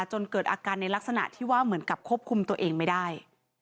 จนเกิดอาการในลักษณะที่ว่าเหมือนกับควบคุมตัวเองไม่ได้